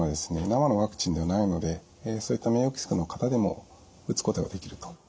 生のワクチンではないのでそういった免疫抑制の方でも打つことができると。